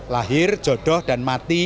lahir jodoh dan mati